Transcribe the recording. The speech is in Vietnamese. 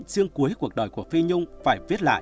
riêng cuối cuộc đời của phi nhung phải viết lại